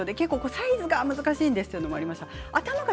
サイズが難しいというのがありました。